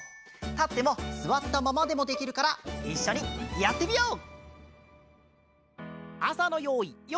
たってもすわったままでもできるからいっしょにやってみよう！